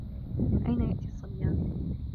من أين يأتي الصّبيان؟